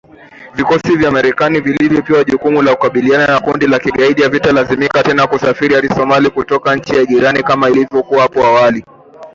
Vikosi vya Marekani vilivyopewa jukumu la kukabiliana na kundi la kigaidi havitalazimika tena kusafiri hadi Somalia kutoka nchi jirani kama ilivyokuwa hapo awali.